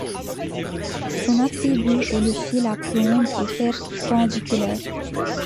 Son attribut est le fil à plomb ou perpendiculaire.